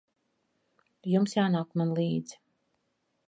Jums jānāk man līdzi.